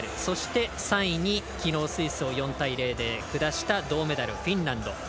そして３位に昨日、スイスを４対０で下した銅メダルはフィンランド。